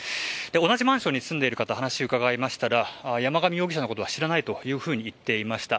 同じマンションに住んでいる方にお話を聞きましたら山上容疑者のことは知らないと言っていました。